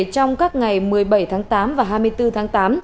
trong các ngày một mươi bảy tháng tám và hai mươi bốn tháng tám